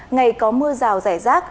ngày có mưa rào rải rác